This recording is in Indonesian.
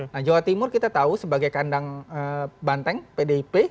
nah jawa timur kita tahu sebagai kandang banteng pdip